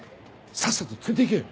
さっさと連れていけ。